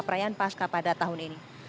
perayaan pasca pada tahun ini